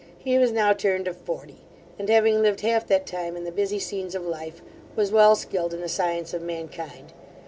He was now turned of forty, and, having lived half that time in the busy scenes of life, was well skilled in the science of mankind.